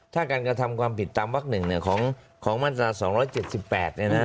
ถ้าการกระทำความผิดตามวักหนึ่งของมาตรา๒๗๘